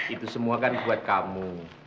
itu semua kan buat kamu